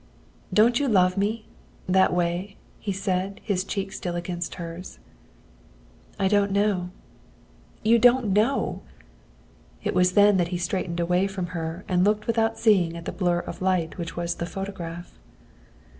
"Don't you love me that way?" he said, his cheek still against hers. "I don't know." "You don't know!" It was then that he straightened away from her and looked without seeing at the blur of light which was the phonograph.